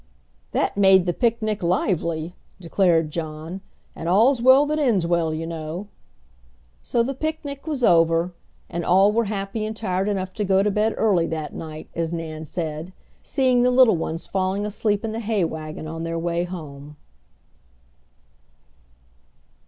"That made the picnic lively!" declared, John, "and all's well that ends well, you know." So the picnic was over, and all were happy and tired enough to go to bed early that night, as Nan said, seeing the little ones falling asleep in hay wagon on their way home.